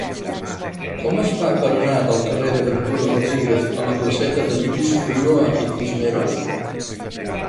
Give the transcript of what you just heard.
Com es fa per anar del carrer de Ventura Rodríguez a la placeta de Lluís Ulloa i Cisneros?